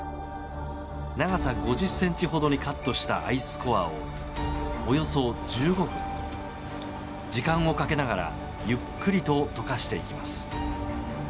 長さ５０ｃｍほどにカットしたアイスコアをおよそ１５分、時間をかけながらゆっくりと解かしていきます。